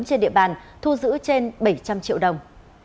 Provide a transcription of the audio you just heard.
trên địa bàn thu giữ trên bảy trăm linh triệu đồng